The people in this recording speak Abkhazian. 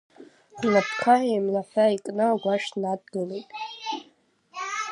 Лнапқәа еимлаҳәа икны агәашә днадылгеит.